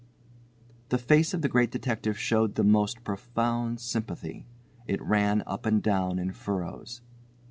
The face of the Great Detective showed the most profound sympathy. It ran up and down in furrows.